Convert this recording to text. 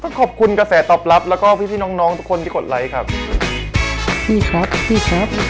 ต้องขอบคุณกระแสตอบรับแล้วก็พี่น้องทุกคนที่กดไลค์ครับ